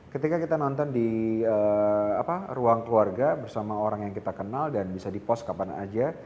ketika kita nonton di ruang keluarga bersama orang yang kita kenal dan bisa di pos kapan aja